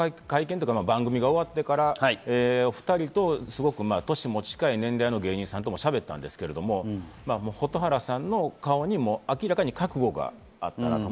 番組が終わってからお２人と年も近い、年齢の近い芸人さんともしゃべったんですけど蛍原さんの顔に明らかに覚悟があったなと。